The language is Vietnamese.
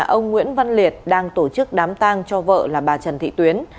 ông nguyễn văn liệt đang tổ chức đám tang cho vợ là bà trần thị tuyến